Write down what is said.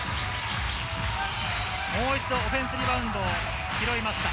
もう一度オフェンスリバウンドを拾いました。